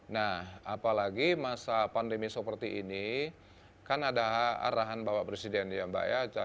nah apalagi masa pandemi seperti ini kan ada arahan bapak presiden ya mbak ya